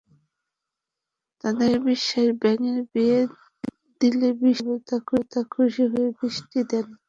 তাঁদের বিশ্বাস, ব্যাঙের বিয়ে দিলে বৃষ্টির দেবতা খুশি হয়ে বৃষ্টি দেন।